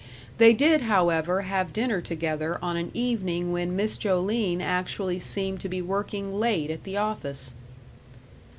They did, however, have dinner together on an evening when Miss Joline actually seemed to be working late at the office.